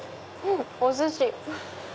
お寿司！